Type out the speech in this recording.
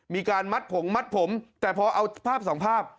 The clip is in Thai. มีการมัดผงมัดผมแต่พอเอาภาพสองภาพ